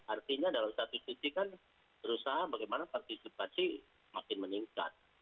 artinya dalam satu sisi kan berusaha bagaimana partisipasi makin meningkat